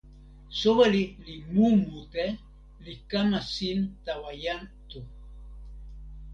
soweli li mu mute, li kama sin tawa jan Tu.